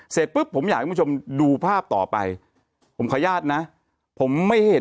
เสร็จปุ๊บผมอยากให้คุณผู้ชมดูภาพต่อไปผมขออนุญาตนะผมไม่เห็น